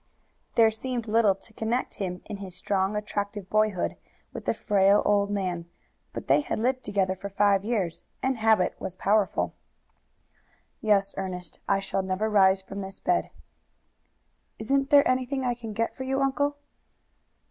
There seemed little to connect him in his strong, attractive boyhood with the frail old man, but they had lived together for five years, and habit was powerful. "Yes, Ernest, I shall never rise from this bed." "Isn't there anything I can get for you, uncle?"